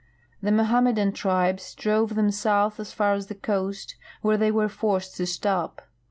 The Mohammedan tribes drove them south as far as the coast, where they were forced to stop.